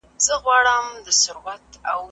چپنه پاکه کړه،